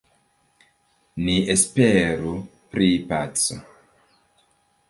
Ni esperu pri paco.